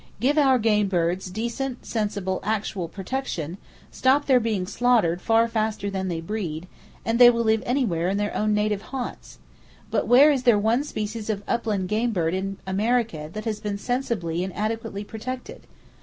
Give our game birds decent, sensible, actual protection, stop their being slaughtered far faster than they breed, and they will live anywhere in their own native haunts! But where is there one species of upland game bird in America that has been sensibly and adequately protected?